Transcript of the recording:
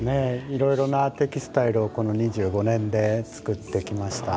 いろいろなテキスタイルをこの２５年で作ってきました。